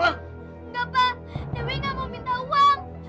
enggak pak dewi enggak mau minta uang